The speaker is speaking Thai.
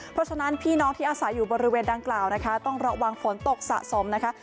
เพราะฉะนั้นพี่น้องที่อาศัยอยู่บริเวณดังกล่าวนะคะต้องระวังฝนตกสะสมนะคะ